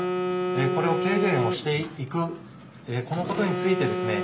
これを軽減をしていくこのことについてですね